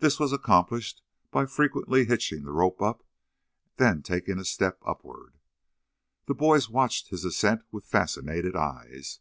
This was accomplished by frequently hitching the rope up, then taking a step upward. The boys watched his ascent with fascinated eyes.